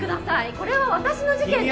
これは私の事件です！